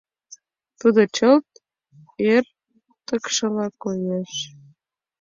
Тудо чылт ӧрткышыла коеш.